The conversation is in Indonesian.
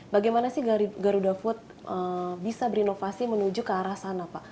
bagaimana sih garuda food bisa berinovasi menuju ke arah sana pak